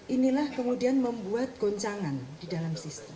inilah kemudian membuat goncangan di dalam sistem